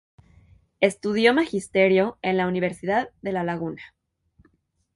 Estudió magisterio en la Universidad de La Laguna.